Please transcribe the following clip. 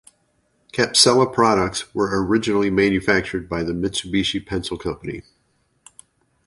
Capsela products were originally manufactured by the Mitsubishi Pencil Company.